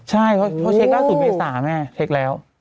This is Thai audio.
ใช่เขาเทคได้สูตรเมษาเนี่ยเทคแล้ว